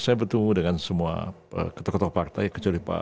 saya bertemu dengan semua ketua ketua partai